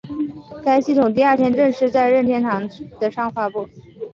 该系统第二天正式在任天堂的上发布。